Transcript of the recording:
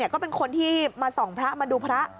ก็เป็นคนที่มาส่องพระมาดูพระ